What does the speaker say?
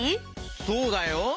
そうだよ。